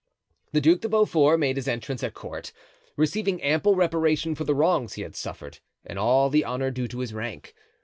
The Duc de Beaufort made his entrance at court, receiving ample reparation for the wrongs he had suffered, and all the honor due to his rank.